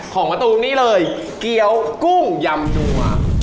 ของมาตรงนี้เลยเกี้ยวกุ้งยำหนัว